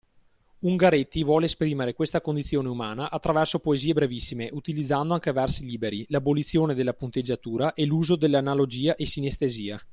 Ungaretti vuole esprimere questa condizione umana attraverso poesie brevissime utilizzando anche versi liberi, l'abolizione della punteggiatura e l'uso dell'analogia e sinestesia.